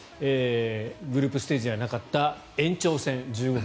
グループステージではなかった延長戦１５分